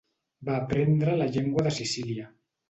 Va aprendre la llengua de Sicília.